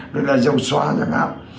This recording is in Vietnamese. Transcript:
rồi là dầu xoa chẳng hạn